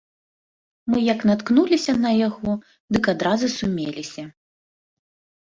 Мы як наткнуліся на яго, дык адразу сумеліся.